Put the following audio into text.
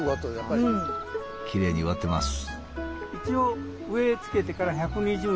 きれいに植わってます。